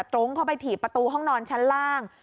ตรงเข้าไปถีบประตูห้องนอนชั้นล่าง